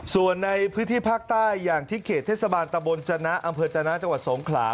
ส่วนในพื้นที่ภาคใต้อย่างที่เขตเทศบาลตะบนจนะอำเภอจนะจังหวัดสงขลา